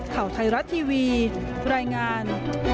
ข่าวไทยรัฐทีวีรายงาน